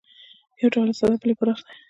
یو ډول یې ساده او بل یې پراخ دی